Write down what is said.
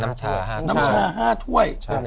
น้ำชา๕ถ้วย